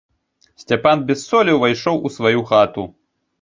Сцяпан без солі ўвайшоў у сваю хату.